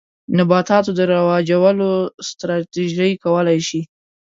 نباتاتو د رواجولو ستراتیژۍ کولای شي.